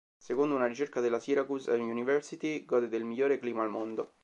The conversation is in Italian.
Secondo una ricerca della Syracuse University gode del migliore clima al mondo.